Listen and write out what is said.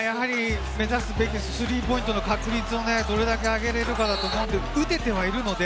目指すべきスリーポイントの確率をどれだけ上げれるかだと思うので、打ててはいるので、